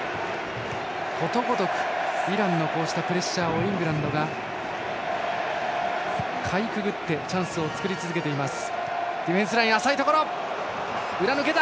ことごとくイランのプレッシャーをイングランドがかいくぐってチャンスを作り続けています。